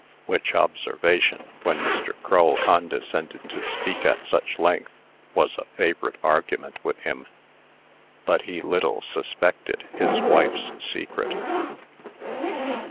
Which observation, when Mr. Crull condescended to speak at such length, was a favorite argument with him. But he little suspected his wife's secret.